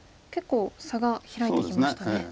結構差が開いてきましたね。